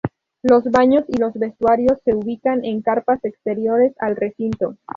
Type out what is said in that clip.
Los baños y los vestuarios se ubican en carpas exteriores al recinto.